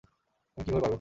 আমি কিভাবে পারবো?